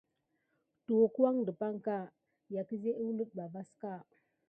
Təweke kidoko sigan mis derakite teke depaki vas ka.